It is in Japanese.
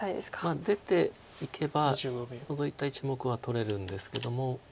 まあ出ていけばノゾいた１目は取れるんですけども。